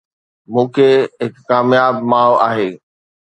مون کي هڪ ڪامياب ماء آهي